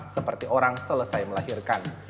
seperti orang selesai melahirkan